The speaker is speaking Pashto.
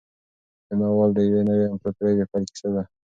دا ناول د یوې نوې امپراطورۍ د پیل کیسه ده.